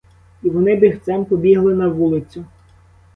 І вони бігцем побігли на вулицю.